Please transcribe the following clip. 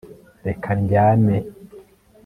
reka ndyame